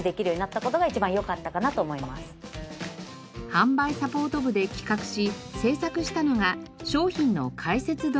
販売サポート部で企画し制作したのが商品の解説動画。